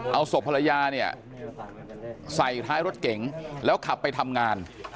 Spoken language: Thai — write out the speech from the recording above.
เอาศพภรรยาเนี่ยใส่ท้ายรถเก๋งแล้วขับไปทำงาน